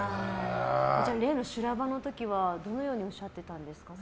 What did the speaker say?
例の修羅場の時はどのようにおっしゃってたんですか？